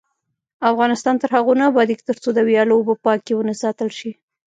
افغانستان تر هغو نه ابادیږي، ترڅو د ویالو اوبه پاکې ونه ساتل شي.